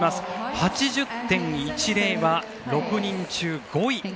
８０．１０は６人中５位。